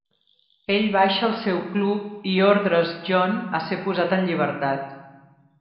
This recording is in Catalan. Ell baixa el seu club i ordres John a ser posat en llibertat.